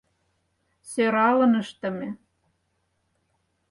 «Сӧралын ыштыме.